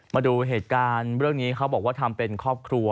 มาดูเหตุการณ์เรื่องนี้เขาบอกว่าทำเป็นครอบครัว